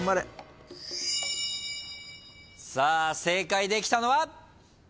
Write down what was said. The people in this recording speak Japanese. さあ正解できたのは？